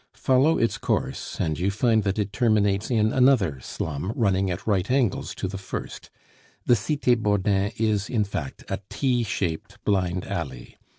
Follow its course and you find that it terminates in another slum running at right angles to the first the Cite Bordin is, in fact, a T shaped blind alley.